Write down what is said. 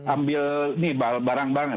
ambil nih barang barangnya